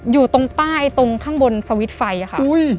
อยู่ตรงป้ายตรงข้างบนสวิตช์ไฟค่ะ